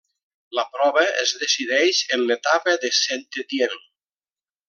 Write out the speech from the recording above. La prova es decideix en l'etapa de Saint-Étienne.